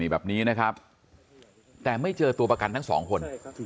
แบบนี้นะครับแต่ไม่เจอตัวประกันทั้งสองคน